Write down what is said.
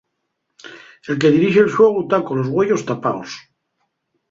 El que dirixe'l xuegu, ta colos güeyos tapaos.